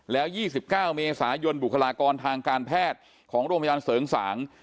แล้ว๒๙เมษายนบุคลากรทางการแพทย์ของโรงพยาบาลเสริงสาง